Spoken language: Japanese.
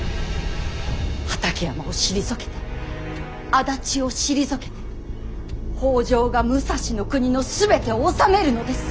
畠山を退けて足立を退けて北条が武蔵国の全てを治めるのです。